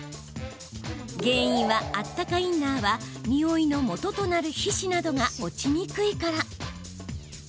原因は、あったかインナーはにおいのもととなる皮脂などが落ちにくいから。